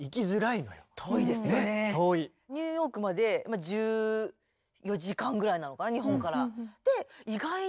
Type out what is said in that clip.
案外ニューヨークまで１４時間ぐらいなのかな日本から。